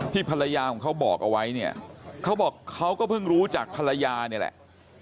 ภรรยาของเขาบอกเอาไว้เนี่ยเขาบอกเขาก็เพิ่งรู้จากภรรยานี่แหละ